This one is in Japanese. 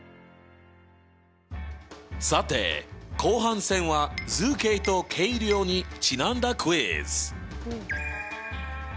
さて後半戦は「図形と計量」にちなんだクイズ！